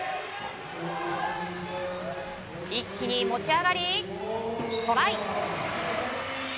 一気に持ち上がりトライ。